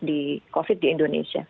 di covid di indonesia